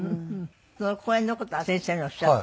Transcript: その公演の事は先生におっしゃった？